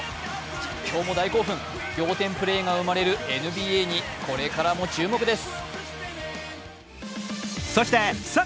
実況の大興奮、仰天プレーが生まれるＮＢＡにこれからも注目です。